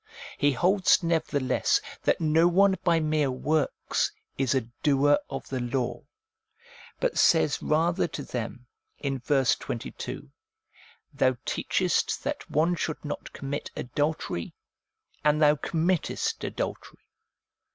He holds nevertheless that no one by mere works is a doer of the law, but says rather to them in verse 22, ' Thou teachest that one should not commit adultery, and thou committest adultery.'